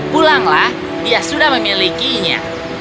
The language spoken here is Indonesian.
pulanglah dia sudah memilikinya